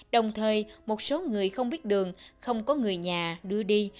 đồng thời một số người không biết đường không có người nhà đưa đi